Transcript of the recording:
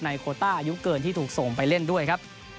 โคต้าอายุเกินที่ถูกส่งไปเล่นด้วยครับ